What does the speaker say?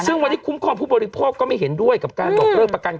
ซึ่งวันนี้คุ้มครองผู้บริภพก็ไม่เห็นด้วยกับการยกเลิกประกันโควิดครั้งนี้